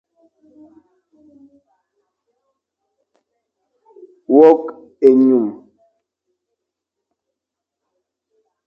Wôkh ényum.